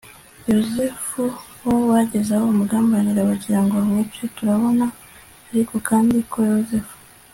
yozefu ;bo bageze aho bamugambanira bagira ngo bamwice. turabona ariko kandi ko yozefu